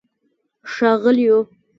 ښاغلیو